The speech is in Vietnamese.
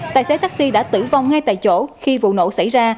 tài xế taxi đã tử vong ngay tại chỗ khi vụ nổ xảy ra